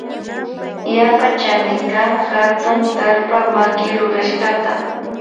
Yapa chanikan hatun talpa makirurashkata.